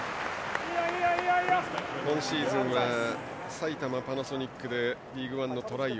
今シーズンはパナソニックでリーグワンのトライ